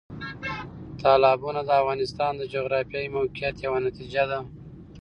تالابونه د افغانستان د جغرافیایي موقیعت یو نتیجه ده.